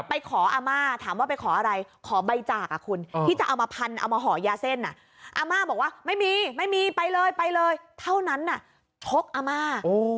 อัมม่าเจ็บเลยนะคะ